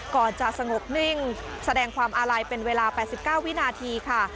ก่อนจะสงบนิ่งแสดงความอาลัยเป็นเวลา๘๙วินาทีค่ะ